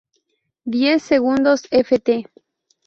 Diez Segundos ft.